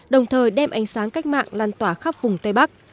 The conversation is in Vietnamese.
đồng thời đem ánh sáng cách mạng lan tỏa khắp vùng tây bắc